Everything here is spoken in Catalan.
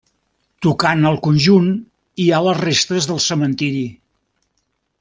Tocant al conjunt hi ha les restes del cementiri.